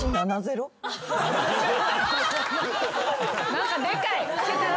何かでかい桁が。